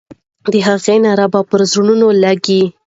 د هغې ناره به پر زړونو لګي.